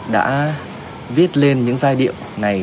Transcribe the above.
đã viết lên những giai điệu này